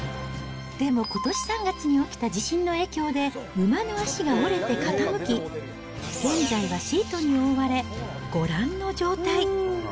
でも、ことし３月に起きた地震の影響で馬の足が折れて傾き、現在はシートに覆われ、ご覧の状態。